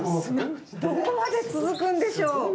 どこまで続くんでしょう。